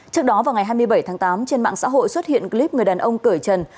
trước đó vào ngày hai mươi bảy tháng tám trên mạng xã hội xuất hiện clip người đàn ông cởi trần